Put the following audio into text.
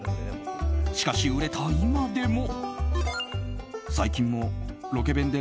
しかし、売れた今でも。